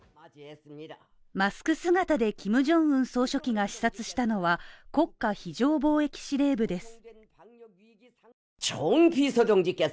マスク姿でキム・ジョンウン総書記が視察したのは、国家非常防疫司令部です。